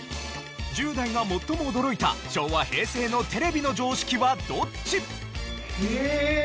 １０代が最も驚いた昭和・平成のテレビの常識はどっち？